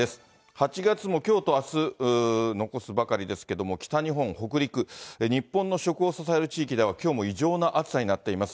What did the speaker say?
８月もきょうとあす、残すばかりですけれども、北日本、北陸、日本の食を支える地域ではきょうも異常な暑さになっています。